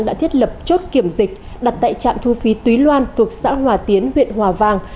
đã thiết lập chốt kiểm dịch đặt tại trạm thu phí loan thuộc xã hòa tiến huyện hòa vàng